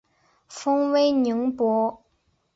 封威宁伯。